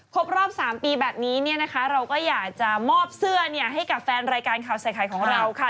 ครบรอบสามปีแบบนี้เราก็อยากจะโม่บเสื้อเนี่ยให้เพื่อก็แฟนรายการข่าวใส่ไขของเราค่ะ